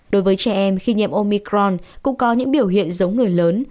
đối với trẻ em khi nhiễm omicron cũng có những biểu hiện giống người lớn